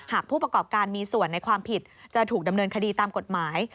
ผู้ประกอบการมีส่วนในความผิดจะถูกดำเนินคดีตามกฎหมาย